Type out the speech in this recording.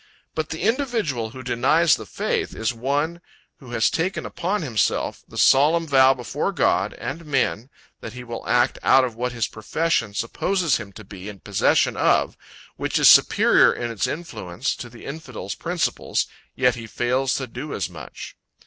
But the individual who denies the faith, is one, who has taken upon himself the solemn vow before God and men, that he will act out what his profession supposes him to be in possession of, which is superior in its influence, to the infidel's principles, yet he fails to do as much.